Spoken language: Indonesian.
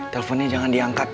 teleponnya jangan diangkat